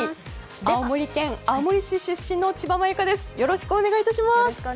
青森県青森市出身の千葉真由佳です。